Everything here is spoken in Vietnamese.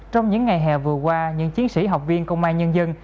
trong những ngày hè vừa qua những chiến sĩ học viên công an nhân dân